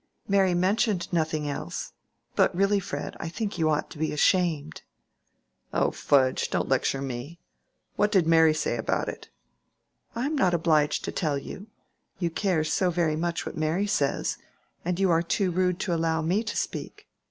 "Mary mentioned nothing else. But really, Fred, I think you ought to be ashamed." "Oh, fudge! Don't lecture me. What did Mary say about it?" "I am not obliged to tell you. You care so very much what Mary says, and you are too rude to allow me to speak."